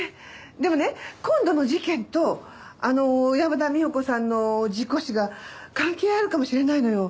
でもね今度の事件とあの小山田美穂子さんの事故死が関係あるかもしれないのよ。